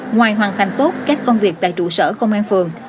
ngoài hoàn thành tốt các công việc tại trụ sở công an phường